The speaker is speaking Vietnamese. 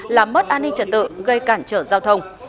làm mất an ninh trật tự gây cản trở giao thông